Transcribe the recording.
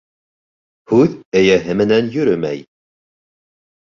Һүҙ эйәһе менән йөрөмәй.